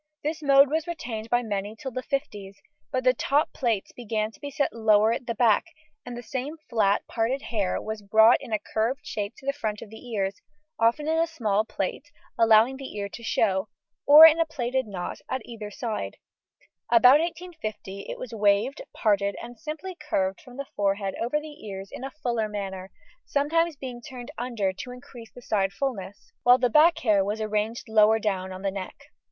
This mode was retained by many till the fifties, but the top plaits began to be set lower at the back, and the same flat parted hair was brought in a curved shape to the front of the ears, often in a small plait, allowing the ear to show, or in a plaited knot at either side; about 1850 it was waved, parted, and simply curved from the forehead over the ears in a fuller manner, sometimes being turned under to increase the side fullness, while the back hair was arranged lower down the neck.